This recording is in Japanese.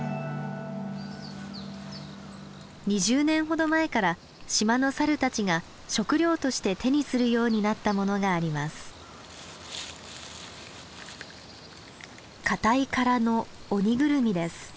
２０年ほど前から島のサルたちが食料として手にするようになったものがあります。